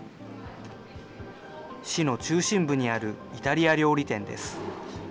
市の中心部にあるイタリア料理店です。